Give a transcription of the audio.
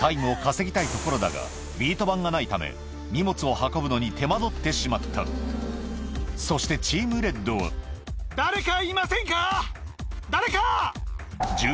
タイムを稼ぎたいところだがため荷物を運ぶのに手間取ってしまったそしてチームレッドは誰か！